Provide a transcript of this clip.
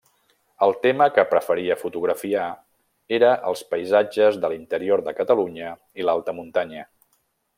El tema que preferia fotografiar era els paisatges de l'interior de Catalunya i l'alta muntanya.